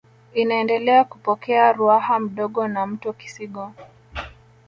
Inaendelea kupokea Ruaha Mdogo na mto Kisigo